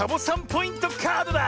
ポイントカードだ！